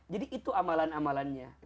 jadi itu amalan amalannya